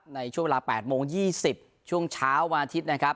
ในช่วงเวลา๘โมง๒๐ช่วงเช้าวันอาทิตย์นะครับ